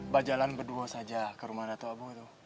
bajalan berdua saja ke rumah dato abu